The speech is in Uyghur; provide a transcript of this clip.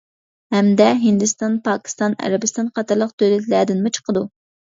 ھەمدە ھىندىستان، پاكىستان، ئەرەبىستان قاتارلىق دۆلەتلەردىنمۇ چىقىدۇ.